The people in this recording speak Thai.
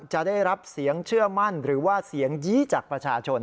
จะได้รับเสียงเชื่อมั่นหรือว่าเสียงยี้จากประชาชน